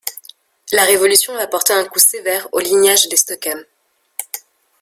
La Révolution va porter un coup sévère au lignage des Stockhem.